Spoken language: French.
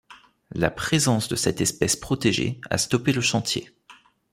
La présence de cette espèce protégée a stoppé le chantier.